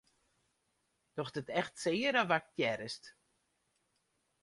Docht it echt sear of aktearrest?